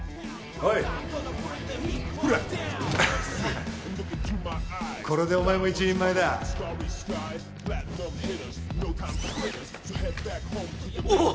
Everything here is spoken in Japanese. おいほらこれでお前も一人前だおっ！